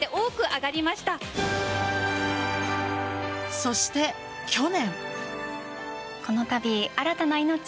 そして去年。